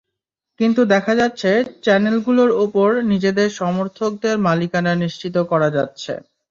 কিন্তু দেখা যাচ্ছে, চ্যানেলগুলোর ওপর নিজেদের সমর্থকদের মালিকানা নিশ্চিত করা যাচ্ছে।